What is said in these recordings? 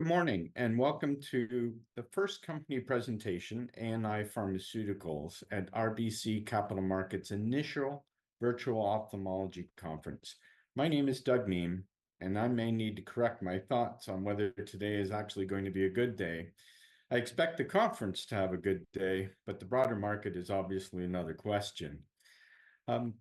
Good morning and welcome to the first company presentation, ANI Pharmaceuticals, at RBC Capital Markets' initial virtual ophthalmology conference. My name is Doug Miehm, and I may need to correct my thoughts on whether today is actually going to be a good day. I expect the conference to have a good day, but the broader market is obviously another question.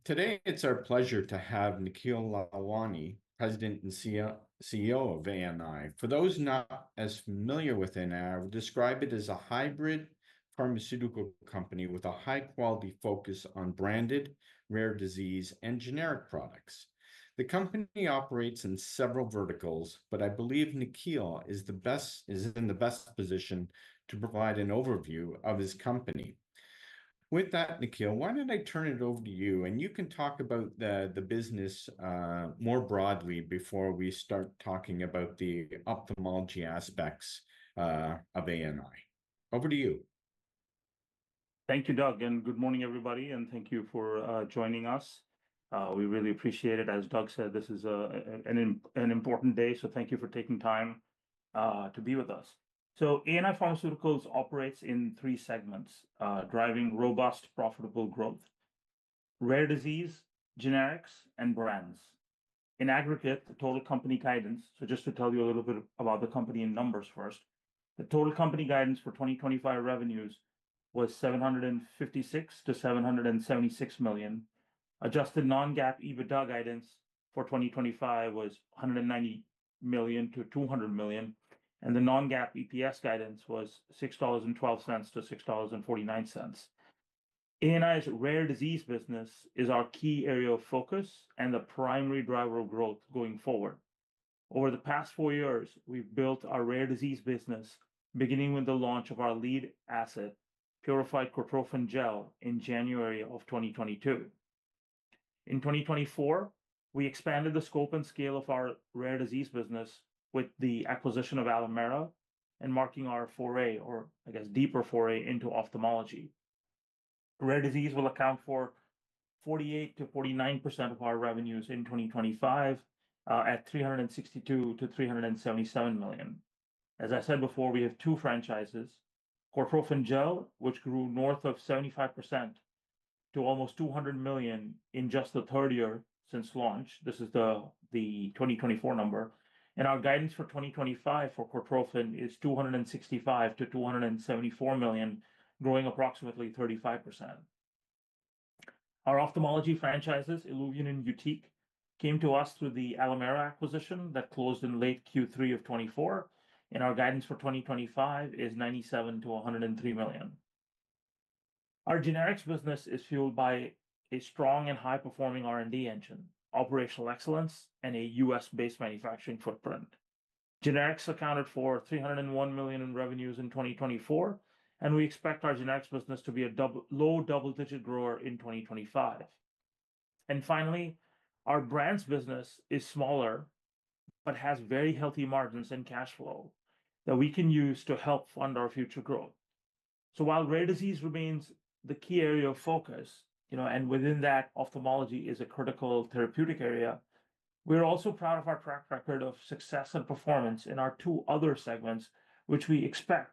Today, it's our pleasure to have Nikhil Lalwani, President and CEO of ANI. For those not as familiar with ANI, I would describe it as a hybrid pharmaceutical company with a high-quality focus on branded, rare disease, and generic products. The company operates in several verticals, but I believe Nikhil is in the best position to provide an overview of his company. With that, Nikhil, why don't I turn it over to you, and you can talk about the business more broadly before we start talking about the ophthalmology aspects of ANI. Over to you. Thank you, Doug, and good morning, everybody, and thank you for joining us. We really appreciate it. As Doug said, this is an important day, so thank you for taking time to be with us. ANI Pharmaceuticals operates in three segments: driving robust, profitable growth, rare disease, generics, and brands. In aggregate, the total company guidance—just to tell you a little bit about the company in numbers first—the total company guidance for 2025 revenues was $756 million–$776 million. Adjusted non-GAAP EBITDA guidance for 2025 was $190 million–$200 million, and the non-GAAP EPS guidance was $6.12–$6.49. ANI's rare disease business is our key area of focus and the primary driver of growth going forward. Over the past four years, we've built our rare disease business, beginning with the launch of our lead asset, Purified Cortrophin Gel, in January of 2022. In 2024, we expanded the scope and scale of our rare disease business with the acquisition of Alimera and marking our foray, or I guess deeper foray, into ophthalmology. Rare disease will account for 48%–49% of our revenues in 2025 at $362–$377 million. As I said before, we have two franchises: Cortrophin Gel, which grew north of 75% to almost $200 million in just the third year since launch—this is the 2024 number—and our guidance for 2025 for Cortrophin is $265–$274 million, growing approximately 35%. Our ophthalmology franchises, ILUVIEN and YUTIQ, came to us through the Alimera acquisition that closed in late Q3 of 2024, and our guidance for 2025 is $97–$103 million. Our generics business is fueled by a strong and high-performing R&D engine, operational excellence, and a U.S.-based manufacturing footprint. Generics accounted for $301 million in revenues in 2024, and we expect our generics business to be a low double-digit grower in 2025. Finally, our brands business is smaller but has very healthy margins and cash flow that we can use to help fund our future growth. While rare disease remains the key area of focus, you know, and within that, ophthalmology is a critical therapeutic area, we're also proud of our track record of success and performance in our two other segments, which we expect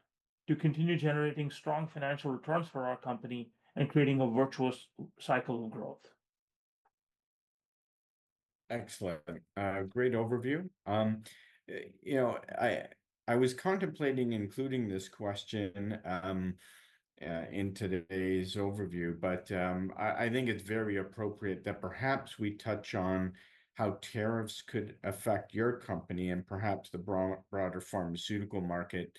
to continue generating strong financial returns for our company and creating a virtuous cycle of growth. Excellent. Great overview. You know, I was contemplating including this question in today's overview, but I think it's very appropriate that perhaps we touch on how tariffs could affect your company and perhaps the broader pharmaceutical market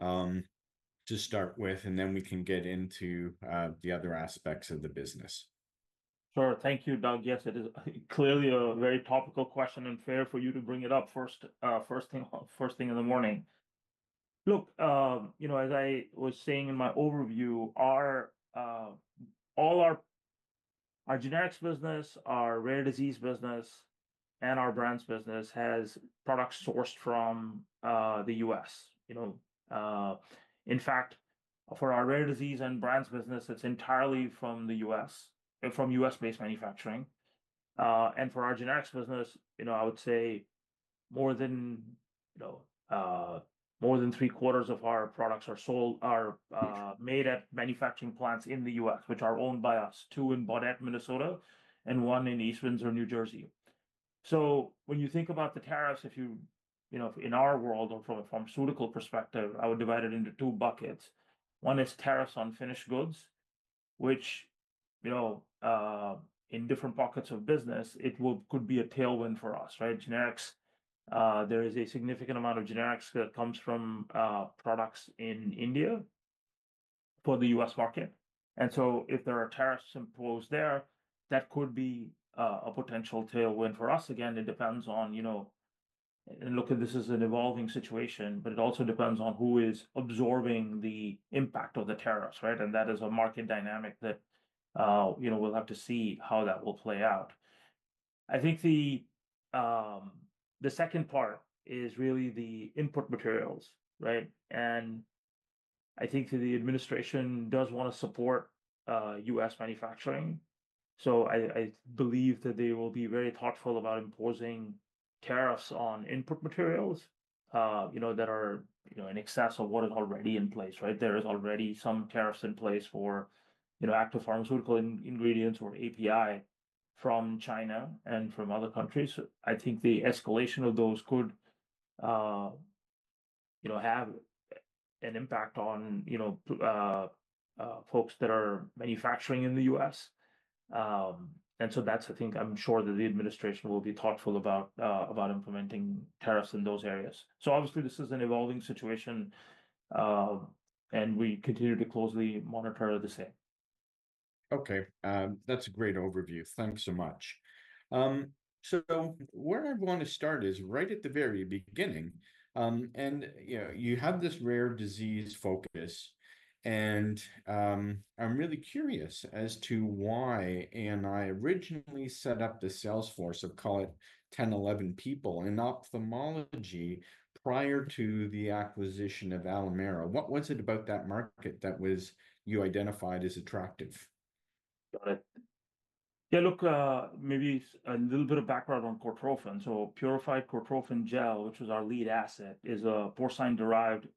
to start with, and then we can get into the other aspects of the business. Sure. Thank you, Doug. Yes, it is clearly a very topical question and fair for you to bring it up first thing in the morning. Look, you know, as I was saying in my overview, all our generics business, our rare disease business, and our brands business has products sourced from the U.S. You know, in fact, for our rare disease and brands business, it's entirely from the U.S., from U.S.-based manufacturing. For our generics business, you know, I would say more than three-quarters of our products are sold, are made at manufacturing plants in the U.S., which are owned by us, two in Baudette, Minnesota, and one in East Windsor, New Jersey. When you think about the tariffs, if you, you know, in our world or from a pharmaceutical perspective, I would divide it into two buckets. One is tariffs on finished goods, which, you know, in different pockets of business, it could be a tailwind for us, right? Generics, there is a significant amount of generics that comes from products in India for the U.S. market. If there are tariffs imposed there, that could be a potential tailwind for us. Again, it depends on, you know, and look, this is an evolving situation, but it also depends on who is absorbing the impact of the tariffs, right? That is a market dynamic that, you know, we'll have to see how that will play out. I think the second part is really the input materials, right? I think the administration does want to support U.S. manufacturing. I believe that they will be very thoughtful about imposing tariffs on input materials, you know, that are, you know, in excess of what is already in place, right? There is already some tariffs in place for, you know, active pharmaceutical ingredients or API from China and from other countries. I think the escalation of those could, you know, have an impact on, you know, folks that are manufacturing in the U.S. That is, I think, I am sure that the administration will be thoughtful about implementing tariffs in those areas. Obviously, this is an evolving situation, and we continue to closely monitor the same. Okay. That's a great overview. Thanks so much. Where I want to start is right at the very beginning. You have this rare disease focus, and I'm really curious as to why ANI originally set up the sales force of, call it, 10, 11 people in ophthalmology prior to the acquisition of Alimera. What was it about that market that you identified as attractive? Got it. Yeah, look, maybe a little bit of background on Cortrophin. So Purified Cortrophin Gel, which is our lead asset, is a porcine-derived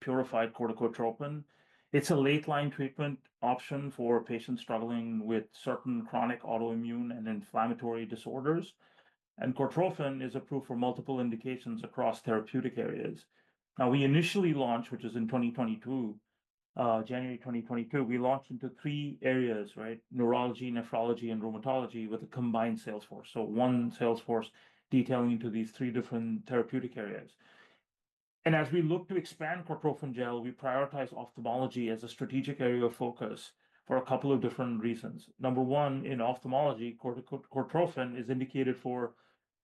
purified corticotropin. It's a late-line treatment option for patients struggling with certain chronic autoimmune and inflammatory disorders. And Cortrophin is approved for multiple indications across therapeutic areas. Now, we initially launched, which is in 2022, January 2022, we launched into three areas, right? Neurology, nephrology, and rheumatology with a combined sales force. So one sales force detailing into these three different therapeutic areas. As we look to expand Cortrophin Gel, we prioritize ophthalmology as a strategic area of focus for a couple of different reasons. Number one, in ophthalmology, Cortrophin is indicated for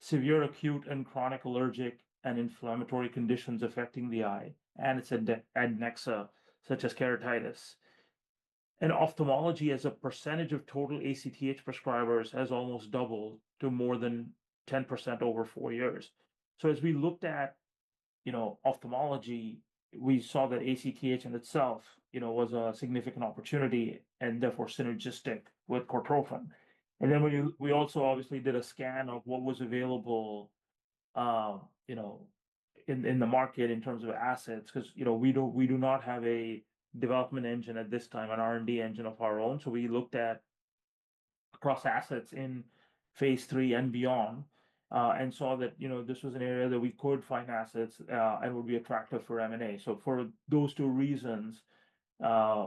severe, acute, and chronic allergic and inflammatory conditions affecting the eye, and its adnexa, such as keratitis. Ophthalmology, as a percentage of total ACTH prescribers, has almost doubled to more than 10% over four years. As we looked at, you know, ophthalmology, we saw that ACTH in itself, you know, was a significant opportunity and therefore synergistic with Cortrophin. We also obviously did a scan of what was available, you know, in the market in terms of assets, because, you know, we do not have a development engine at this time, an R&D engine of our own. We looked at across assets in phase 3 and beyond and saw that, you know, this was an area that we could find assets and would be attractive for M&A. For those two reasons,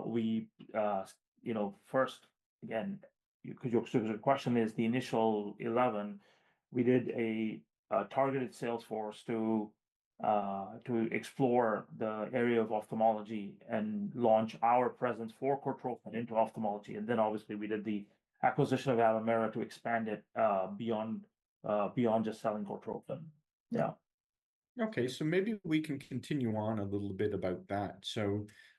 we, you know, first, again, because your question is the initial 11, we did a targeted sales force to explore the area of ophthalmology and launch our presence for Cortrophin into ophthalmology. And then obviously, we did the acquisition of Alimera to expand it beyond just selling Cortrophin. Yeah. Okay. Maybe we can continue on a little bit about that.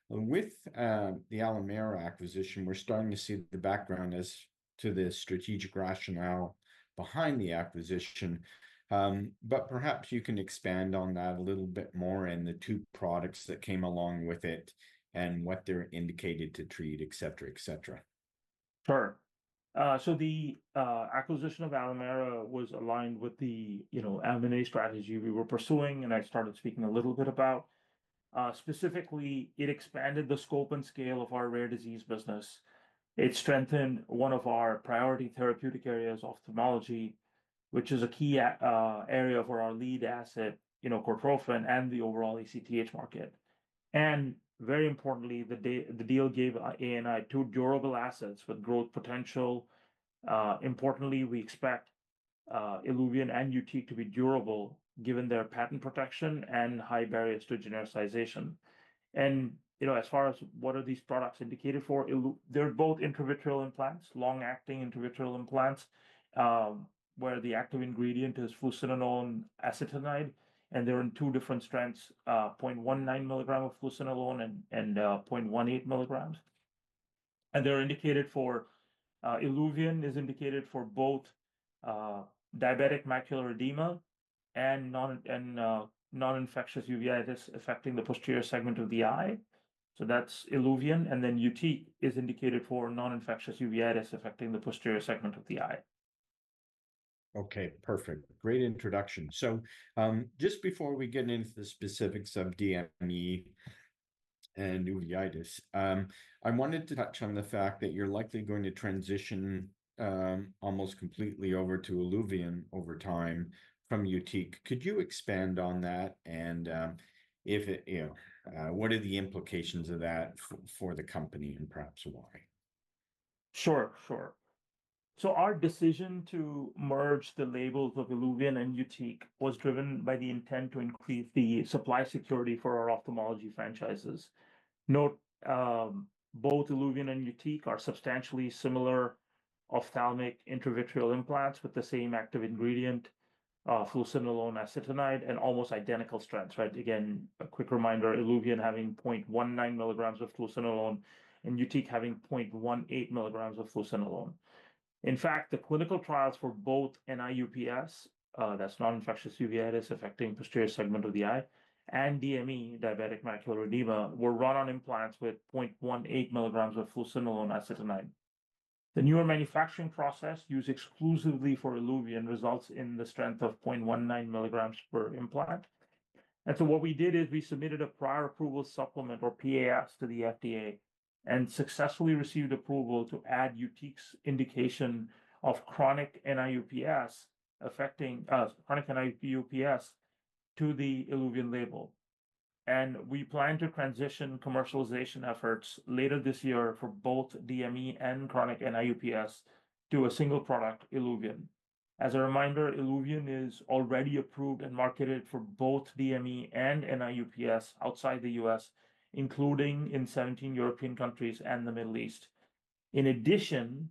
With the Alimera acquisition, we're starting to see the background as to the strategic rationale behind the acquisition. Perhaps you can expand on that a little bit more and the two products that came along with it and what they're indicated to treat, et cetera, et cetera. Sure. The acquisition of Alimera was aligned with the, you know, M&A strategy we were pursuing, and I started speaking a little bit about. Specifically, it expanded the scope and scale of our rare disease business. It strengthened one of our priority therapeutic areas, ophthalmology, which is a key area for our lead asset, you know, Cortrophin and the overall ACTH market. Very importantly, the deal gave ANI two durable assets with growth potential. Importantly, we expect ILUVIEN and Yutiq to be durable given their patent protection and high barriers to genericization. You know, as far as what are these products indicated for, they are both intravitreal implants, long-acting intravitreal implants, where the active ingredient is fluocinolone acetonide. They are in two different strengths: 0.19 milligram of fluocinolone and 0.18 milligrams. They are indicated for Illuvien is indicated for both diabetic macular edema and non-infectious uveitis affecting the posterior segment of the eye. That is Illuvien. Then Yutiq is indicated for non-infectious uveitis affecting the posterior segment of the eye. Okay. Perfect. Great introduction. Just before we get into the specifics of DME and uveitis, I wanted to touch on the fact that you're likely going to transition almost completely over to Illuvien over time from Yutiq. Could you expand on that? And if it, you know, what are the implications of that for the company and perhaps why? Sure, sure. Our decision to merge the labels of Illuvien and Yutiq was driven by the intent to increase the supply security for our ophthalmology franchises. Note, both Illuvien and Yutiq are substantially similar ophthalmic intravitreal implants with the same active ingredient, fluocinolone acetonide, and almost identical strengths, right? Again, a quick reminder, Illuvien having 0.19 milligrams of fluocinolone and Yutiq having 0.18 milligrams of fluocinolone. In fact, the clinical trials for both NIUPS, that's non-infectious uveitis affecting the posterior segment of the eye, and DME, diabetic macular edema, were run on implants with 0.18 milligrams of fluocinolone acetonide. The newer manufacturing process used exclusively for Illuvien results in the strength of 0.19 milligrams per implant. What we did is we submitted a prior approval supplement or PAS to the FDA and successfully received approval to add Yutiq's indication of chronic NIUPS affecting chronic NIUPS to the Illuvien label. We plan to transition commercialization efforts later this year for both DME and chronic NIUPS to a single product, Illuvien. As a reminder, Illuvien is already approved and marketed for both DME and NIUPS outside the U.S., including in 17 European countries and the Middle East. In addition,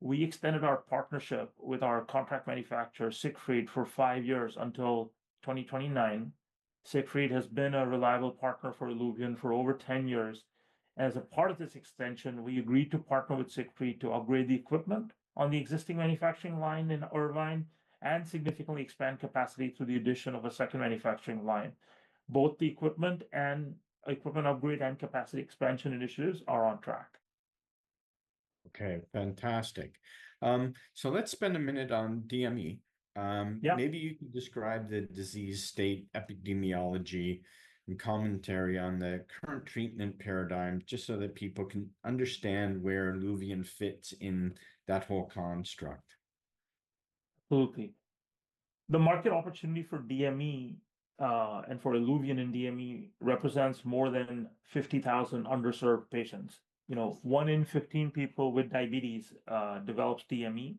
we extended our partnership with our contract manufacturer, Siegfried, for five years until 2029. Siegfried has been a reliable partner for Illuvien for over 10 years. As a part of this extension, we agreed to partner with Siegfried to upgrade the equipment on the existing manufacturing line in Irvine and significantly expand capacity through the addition of a second manufacturing line. Both the equipment and equipment upgrade and capacity expansion initiatives are on track. Okay. Fantastic. Let's spend a minute on DME. Maybe you can describe the disease state, epidemiology, and commentary on the current treatment paradigm just so that people can understand where Illuvien fits in that whole construct. Absolutely. The market opportunity for DME and for Illuvien and DME represents more than 50,000 underserved patients. You know, one in 15 people with diabetes develops DME.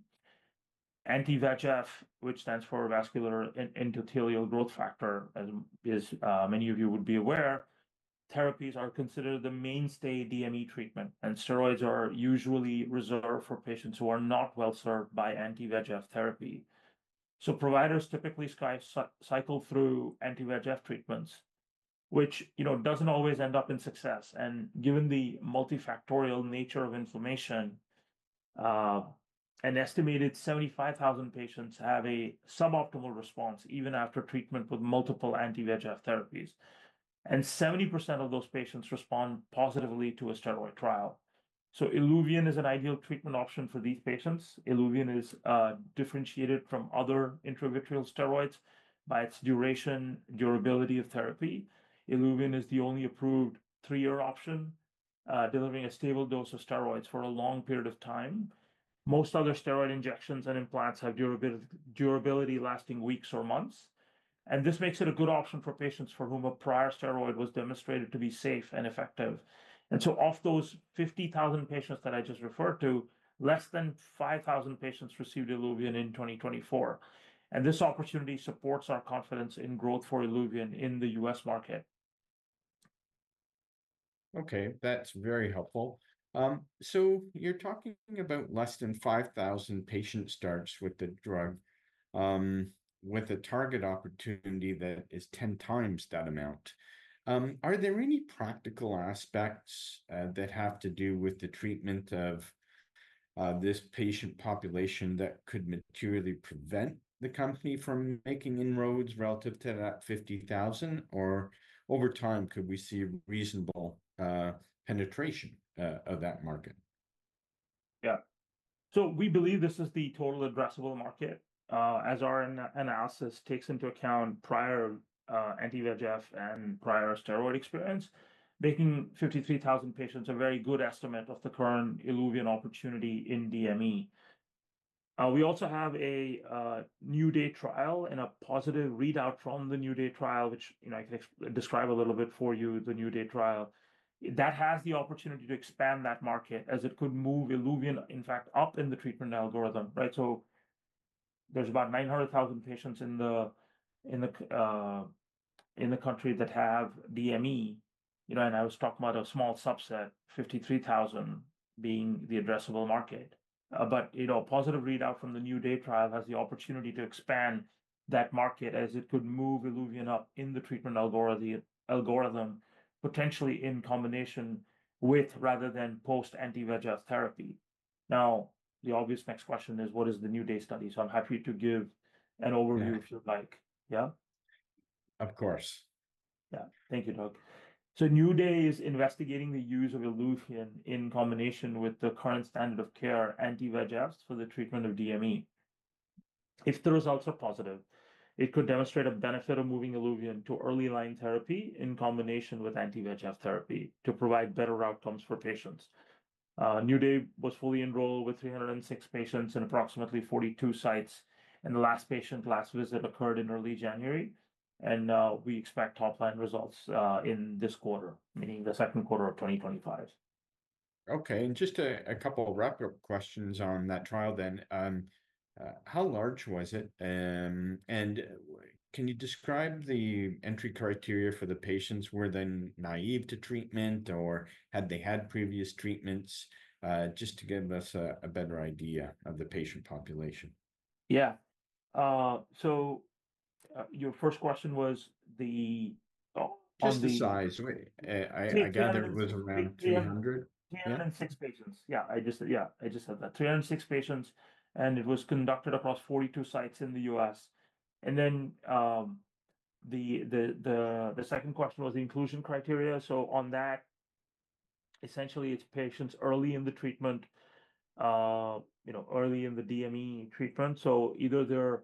Anti-VEGF, which stands for vascular endothelial growth factor, as many of you would be aware, therapies are considered the mainstay DME treatment, and steroids are usually reserved for patients who are not well served by anti-VEGF therapy. Providers typically cycle through anti-VEGF treatments, which, you know, does not always end up in success. Given the multifactorial nature of inflammation, an estimated 75,000 patients have a suboptimal response even after treatment with multiple anti-VEGF therapies. 70% of those patients respond positively to a steroid trial. Illuvien is an ideal treatment option for these patients. Illuvien is differentiated from other intravitreal steroids by its duration, durability of therapy. Illuvien is the only approved three-year option, delivering a stable dose of steroids for a long period of time. Most other steroid injections and implants have durability lasting weeks or months. This makes it a good option for patients for whom a prior steroid was demonstrated to be safe and effective. Of those 50,000 patients that I just referred to, less than 5,000 patients received Illuvien in 2024. This opportunity supports our confidence in growth for Illuvien in the U.S. market. Okay. That's very helpful. You're talking about less than 5,000 patient starts with the drug with a target opportunity that is 10 times that amount. Are there any practical aspects that have to do with the treatment of this patient population that could materially prevent the company from making inroads relative to that 50,000? Over time, could we see reasonable penetration of that market? Yeah. We believe this is the total addressable market as our analysis takes into account prior anti-VEGF and prior steroid experience. Making 53,000 patients a very good estimate of the current Illuvien opportunity in DME. We also have a New Day Trial and a positive readout from the New Day Trial, which, you know, I can describe a little bit for you, the New Day Trial. That has the opportunity to expand that market as it could move Illuvien, in fact, up in the treatment algorithm, right? There are about 900,000 patients in the country that have DME, you know, and I was talking about a small subset, 53,000 being the addressable market. You know, a positive readout from the New Day Trial has the opportunity to expand that market as it could move Illuvien up in the treatment algorithm, potentially in combination with rather than post-anti-VEGF therapy. Now, the obvious next question is, what is the New Day study? I'm happy to give an overview if you'd like. Yeah? Of course. Yeah. Thank you, Doug. New Day is investigating the use of Illuvien in combination with the current standard of care anti-VEGFs for the treatment of DME. If the results are positive, it could demonstrate a benefit of moving Illuvien to early line therapy in combination with anti-VEGF therapy to provide better outcomes for patients. New Day was fully enrolled with 306 patients in approximately 42 sites. The last patient last visit occurred in early January. We expect top line results in this quarter, meaning the second quarter of 2025. Okay. Just a couple of wrap-up questions on that trial then. How large was it? Can you describe the entry criteria for the patients? Were they naive to treatment, or had they had previous treatments? Just to give us a better idea of the patient population. Yeah. Your first question was the. Oh, just the size. I gather it was around 300. 306 patients. Yeah. I just, yeah, I just said that. Three hundred and six patients. It was conducted across 42 sites in the U.S. The second question was the inclusion criteria. On that, essentially, it's patients early in the treatment, you know, early in the DME treatment. Either they're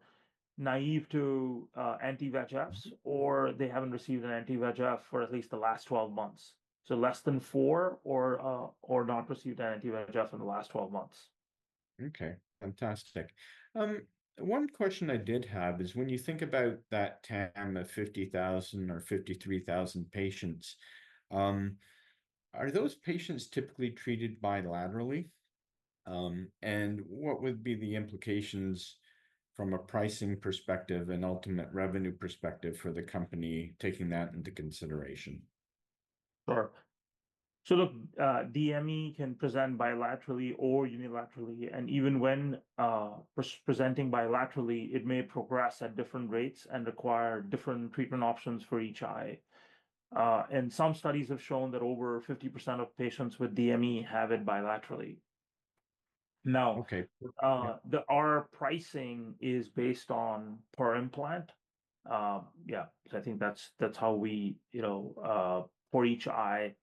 naive to anti-VEGFs or they haven't received an anti-VEGF for at least the last 12 months. Less than four or not received an anti-VEGF in the last 12 months. Okay. Fantastic. One question I did have is when you think about that time of 50,000 or 53,000 patients, are those patients typically treated bilaterally? What would be the implications from a pricing perspective and ultimate revenue perspective for the company taking that into consideration? Sure. Look, DME can present bilaterally or unilaterally. Even when presenting bilaterally, it may progress at different rates and require different treatment options for each eye. Some studies have shown that over 50% of patients with DME have it bilaterally. Our pricing is based on per implant. Yeah. I think that's how we, you know, for each eye,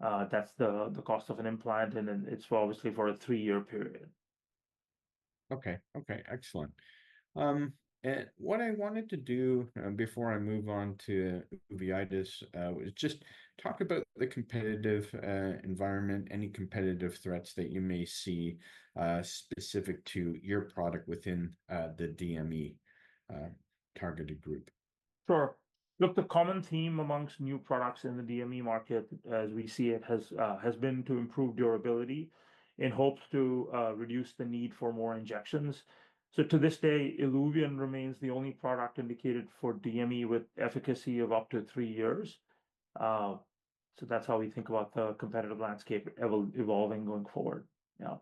that's the cost of an implant. It's obviously for a three-year period. Okay. Okay. Excellent. What I wanted to do before I move on to uveitis is just talk about the competitive environment, any competitive threats that you may see specific to your product within the DME targeted group. Sure. Look, the common theme amongst new products in the DME market, as we see it, has been to improve durability in hopes to reduce the need for more injections. To this day, Illuvien remains the only product indicated for DME with efficacy of up to three years. That is how we think about the competitive landscape evolving going forward. Yeah.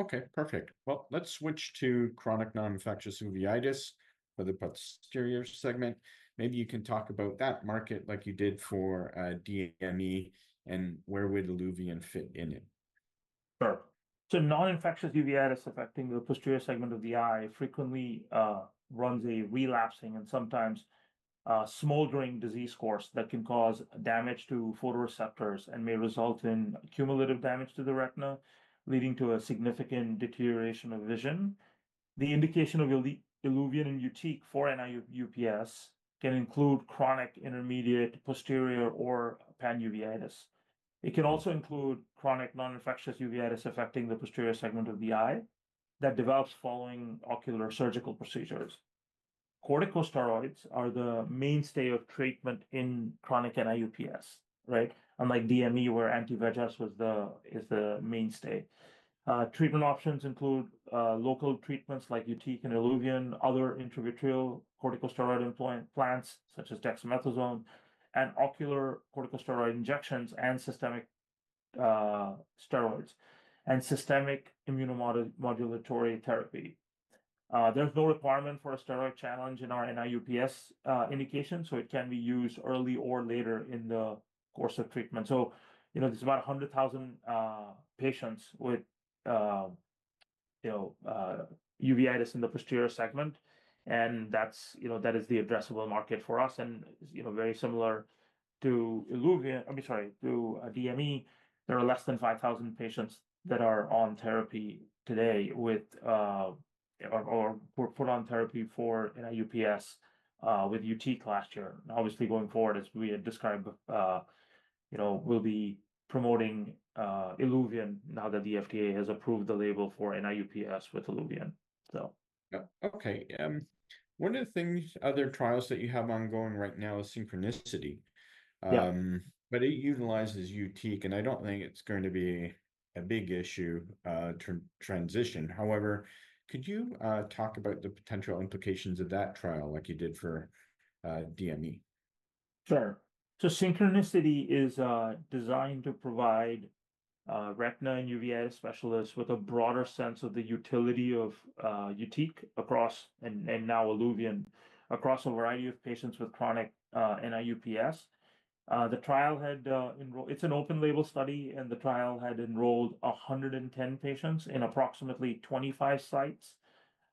Okay. Perfect. Let's switch to chronic non-infectious uveitis for the posterior segment. Maybe you can talk about that market like you did for DME and where would Illuvien fit in it. Sure. Non-infectious uveitis affecting the posterior segment of the eye frequently runs a relapsing and sometimes smoldering disease course that can cause damage to photoreceptors and may result in cumulative damage to the retina, leading to a significant deterioration of vision. The indication of Illuvien and Yutiq for NIUPS can include chronic intermediate, posterior, or panuveitis. It can also include chronic non-infectious uveitis affecting the posterior segment of the eye that develops following ocular surgical procedures. Corticosteroids are the mainstay of treatment in chronic NIUPS, right? Unlike DME, where anti-VEGF is the mainstay. Treatment options include local treatments like Yutiq and Illuvien, other intravitreal corticosteroid implants such as dexamethasone, and ocular corticosteroid injections and systemic steroids and systemic immunomodulatory therapy. There is no requirement for a steroid challenge in our NIUPS indication, so it can be used early or later in the course of treatment. You know, there's about 100,000 patients with, you know, uveitis in the posterior segment. That is the addressable market for us. You know, very similar to Illuvien, I mean, sorry, to DME, there are less than 5,000 patients that are on therapy today with or were put on therapy for NIUPS with Yutiq last year. Obviously, going forward, as we had described, you know, we'll be promoting Illuvien now that the FDA has approved the label for NIUPS with Illuvien. Yeah. Okay. One of the things, other trials that you have ongoing right now is SYNCHRONICITY. But it utilizes Yutiq, and I don't think it's going to be a big issue to transition. However, could you talk about the potential implications of that trial like you did for DME? Sure. SYNCHRONICITY is designed to provide retina and uveitis specialists with a broader sense of the utility of Yutiq across, and now Illuvien, across a variety of patients with chronic NIUPS. The trial had enrolled—it's an open-label study—and the trial had enrolled 110 patients in approximately 25 sites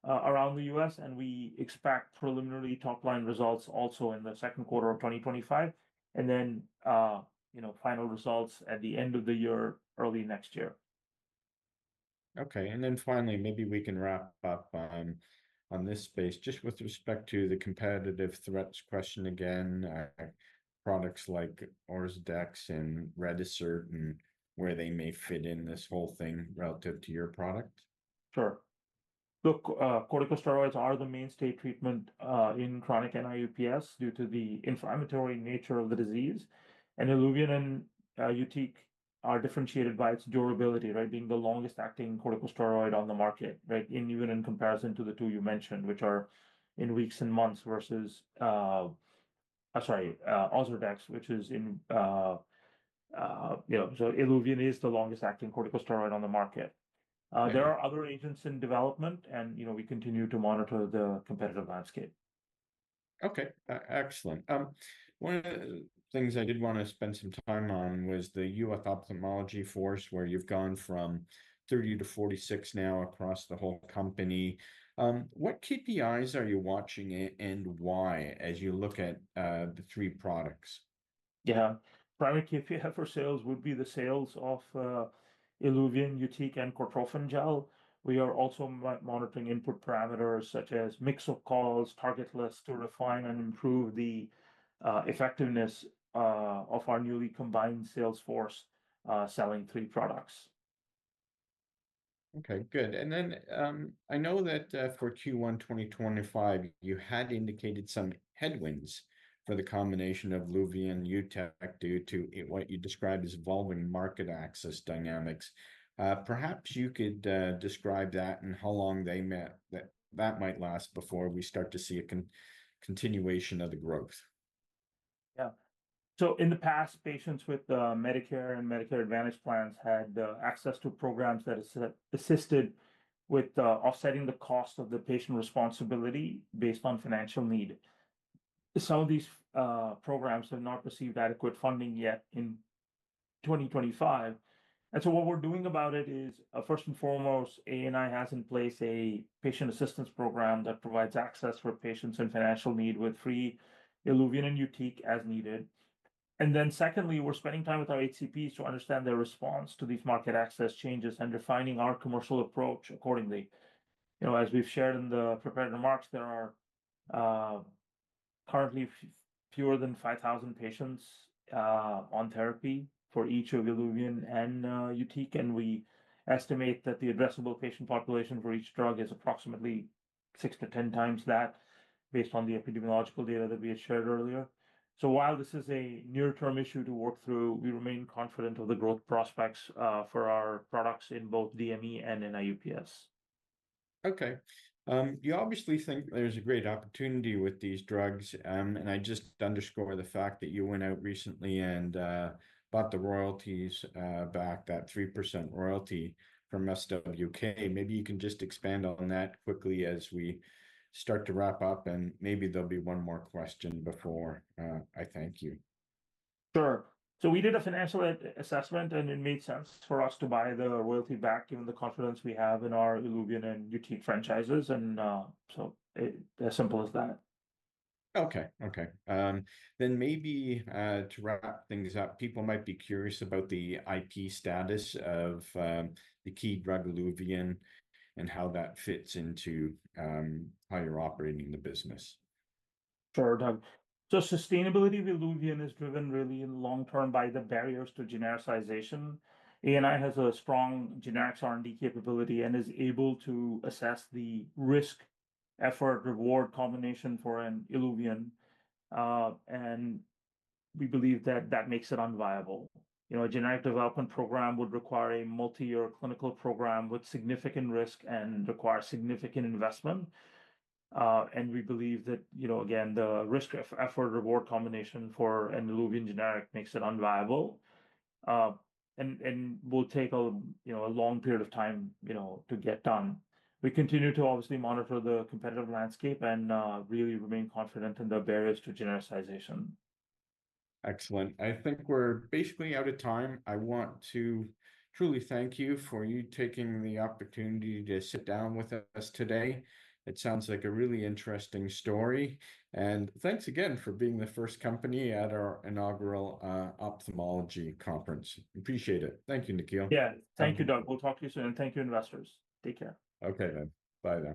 around the U.S. We expect preliminary top line results also in the second quarter of 2025. Then, you know, final results at the end of the year, early next year. Okay. Finally, maybe we can wrap up on this space just with respect to the competitive threats question again, products like Ozurdex and Retisert and where they may fit in this whole thing relative to your product. Sure. Look, corticosteroids are the mainstay treatment in chronic NIUPS due to the inflammatory nature of the disease. Illuvien and Yutiq are differentiated by its durability, right, being the longest-acting corticosteroid on the market, right, even in comparison to the two you mentioned, which are in weeks and months versus—I'm sorry—Ozurdex, which is in, you know, so Illuvien is the longest-acting corticosteroid on the market. There are other agents in development, and, you know, we continue to monitor the competitive landscape. Okay. Excellent. One of the things I did want to spend some time on was the US Ophthalmology Force, where you've gone from 30–46 now across the whole company. What KPIs are you watching and why as you look at the three products? Yeah. Primary KPI for sales would be the sales of Illuvien, Yutiq, and Cortrophin Gel. We are also monitoring input parameters such as mix of calls, target lists to refine and improve the effectiveness of our newly combined sales force selling three products. Okay. Good. I know that for Q1 2025, you had indicated some headwinds for the combination of Illuvien and Yutiq due to what you described as evolving market access dynamics. Perhaps you could describe that and how long that might last before we start to see a continuation of the growth. Yeah. In the past, patients with Medicare and Medicare Advantage Plans had access to programs that assisted with offsetting the cost of the patient responsibility based on financial need. Some of these programs have not received adequate funding yet in 2025. What we are doing about it is, first and foremost, ANI has in place a patient assistance program that provides access for patients in financial need with free Illuvien and Yutiq as needed. Secondly, we are spending time with our HCPs to understand their response to these market access changes and refining our commercial approach accordingly. You know, as we have shared in the prepared remarks, there are currently fewer than 5,000 patients on therapy for each of Illuvien and Yutiq. We estimate that the addressable patient population for each drug is approximately 6-10 times that based on the epidemiological data that we had shared earlier. While this is a near-term issue to work through, we remain confident of the growth prospects for our products in both DME and NIUPS. Okay. You obviously think there's a great opportunity with these drugs. I just underscore the fact that you went out recently and bought the royalties back, that 3% royalty from SWK. Maybe you can just expand on that quickly as we start to wrap up, and maybe there'll be one more question before I thank you. Sure. We did a financial assessment, and it made sense for us to buy the royalty back given the confidence we have in our Illuvien and Yutiq franchises. As simple as that. Okay. Okay. Maybe to wrap things up, people might be curious about the IP status of the key drug, Illuvien, and how that fits into how you're operating the business. Sure, Doug. Sustainability of Illuvien is driven really in the long term by the barriers to genericization. ANI has a strong generics R&D capability and is able to assess the risk-effort-reward combination for Illuvien. We believe that that makes it unviable. You know, a generic development program would require a multi-year clinical program with significant risk and require significant investment. We believe that, you know, again, the risk-effort-reward combination for an Illuvien generic makes it unviable. It will take, you know, a long period of time, you know, to get done. We continue to obviously monitor the competitive landscape and really remain confident in the barriers to genericization. Excellent. I think we're basically out of time. I want to truly thank you for taking the opportunity to sit down with us today. It sounds like a really interesting story. Thanks again for being the first company at our inaugural ophthalmology conference. Appreciate it. Thank you, Nikhil. Yeah. Thank you, Doug. We'll talk to you soon. Thank you, Investors. Take care. Okay, then. Bye-bye.